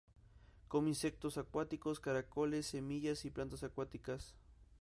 Come insectos acuáticos, caracoles, semillas y plantas acuáticas.